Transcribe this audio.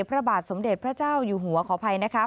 พระบาทสมเด็จพระเจ้าอยู่หัวขออภัยนะคะ